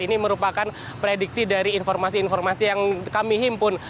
ini merupakan prediksi dari informasi informasi yang kami himpun